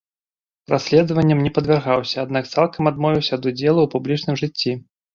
Праследаванням не падвяргаўся, аднак цалкам адмовіўся ад удзелу ў публічным жыцці.